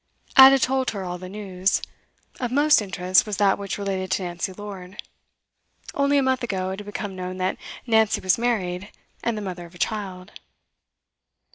Ada told her all the news. Of most interest was that which related to Nancy Lord. Only a month ago it had become known that Nancy was married, and the mother of a child.